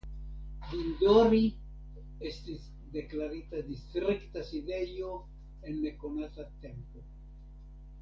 Dindori estis deklarita distrikta sidejo en nekonata tempo.